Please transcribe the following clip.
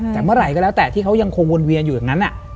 แต่เมื่อไหร่ก็แล้วแต่ที่เขายังคงวนเวียนอยู่อย่างนั้น